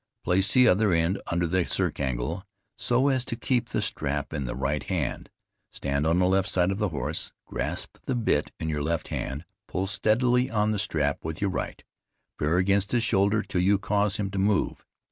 Place the other end under the circingle, so as to keep the strap in the right hand; stand on the left side of the horse, grasp the bit in your left hand, pull steadily on the strap with your right; bear against his shoulder till you cause him to move.